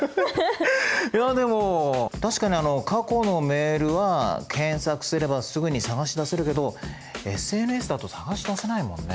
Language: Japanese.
いやでも確かに過去のメールは検索すればすぐに探し出せるけどＳＮＳだと探し出せないもんね。